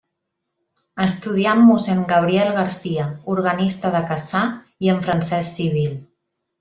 Estudià amb mossèn Gabriel Garcia, organista de Cassà i amb Francesc Civil.